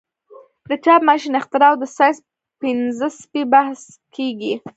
د چاپ ماشین اختراع او د ساینس پنځه څپې بحث کیږي.